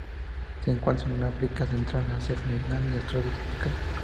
Se encuentran en África central, Asia meridional y Australia tropical.